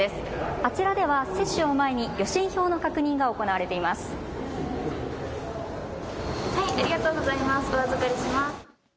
あちらでは接種を前に予診票の確認が行われています。